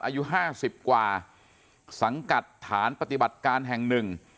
อายุห้าสิบกว่าสังกัดฐานปฏิบัติการแห่งหนึ่ง